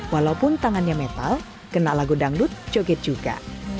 walaupun tangannya metal kena lagu dangdut joget juga